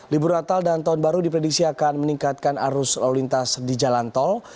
libur natal dan tahun baru diprediksi akan meningkatkan arus lalu lintas di jalan tol